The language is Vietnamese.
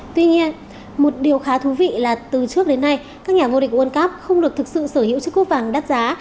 tuy nhiên một điều khá thú vị là từ trước đến nay các nhà vô địch world cup không được thực sự sở hữu chiếc cúp vàng đắt giá